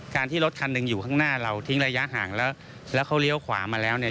ที่รถคันหนึ่งอยู่ข้างหน้าเราทิ้งระยะห่างแล้วแล้วเขาเลี้ยวขวามาแล้วเนี่ย